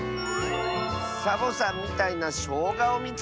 「サボさんみたいなしょうがをみつけた！」。